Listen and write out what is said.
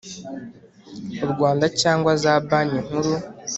u rwanda cyangwa za banki nkuru